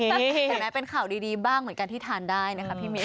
เห็นไหมเป็นข่าวดีบ้างเหมือนกันที่ทานได้นะคะพี่มิ้น